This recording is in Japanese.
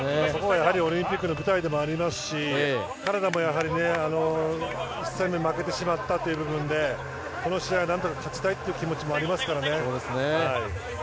やはりオリンピックの舞台でもありますし彼らもやはり、１戦目負けてしまったという部分でこの試合、何とか勝ちたいという気持ちもありますからね。